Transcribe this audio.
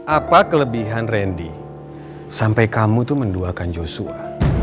apa kelebihan randy sampai kamu menduakan joshua